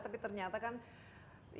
tapi ternyata kan ini nya beli beras